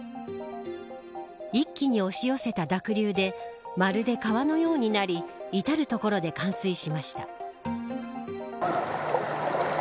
一気に押し寄せた濁流でまるで川のようになり至る所で冠水しました。